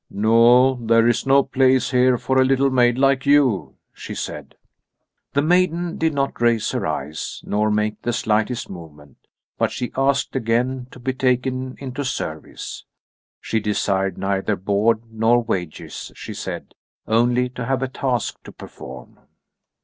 "No, there is no place here for a little maid like you," she said. The maiden did not raise her eyes nor make the slightest movement, but she asked again to be taken into service. She desired neither board nor wages, she said, only to have a task to perform.